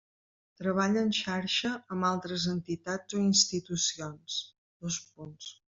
Treballa en xarxa amb altres entitats o institucions: dos punts.